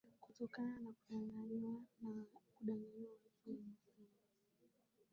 Kutokana na kuwadanganya watu wenye simba